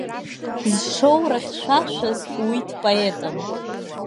Зшоура хьшәашәаз уи дпоетым!